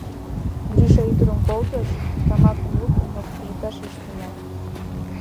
Гриша ӱдырым колтыш, тамакым лукто, но пижыкташ ыш тӱҥал.